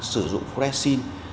sử dụng vodaxin